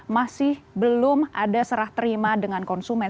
masih belum ada serah terima dengan konsumen